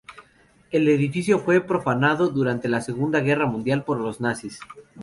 El edificio fue profanado durante la Segunda Guerra Mundial por los nazis.